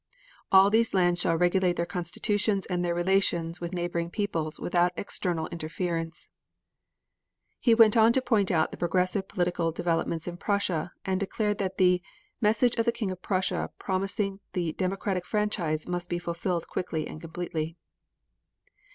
All these lands shall regulate their constitutions and their relations with neighboring peoples without external interference. He went on to point out the progressive political developments in Prussia and declared that the "message of the King of Prussia promising the democratic franchise must be fulfilled quickly and completely."